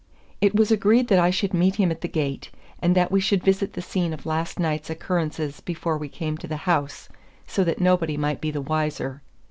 It was agreed that I should meet him at the gate, and that we should visit the scene of last night's occurrences before we came to the house, so that nobody might be the wiser.